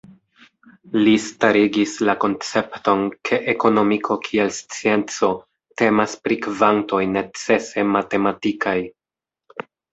Li starigis la koncepton ke ekonomiko kiel scienco temas pri kvantoj necese matematikaj.